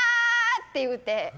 って言うて。